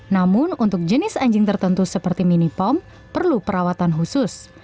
namun untuk jenis anjing tertentu seperti mini pom perlu perawatan khusus